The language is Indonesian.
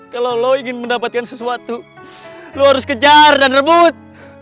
kalau lo ingin mendapatkan sesuatu lo harus kejar dan rebut